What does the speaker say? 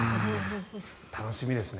楽しみですね。